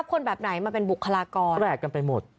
แปลกกันไปหมด